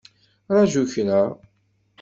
Ṛaju kra!